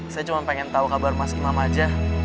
saya cuma pengen tahu kabar mas imam aja